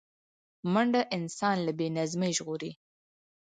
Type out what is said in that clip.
منډه انسان له بې نظمۍ ژغوري